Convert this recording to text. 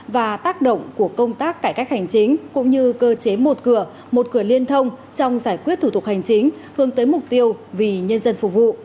và tác động của công tác cải cách hành chính cũng như cơ chế một cửa một cửa liên thông trong giải quyết thủ tục hành chính hướng tới mục tiêu vì nhân dân phục vụ